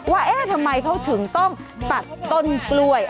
ว่าเอ๊ะทำไมเขาถึงต้องตัดต้นกล้วย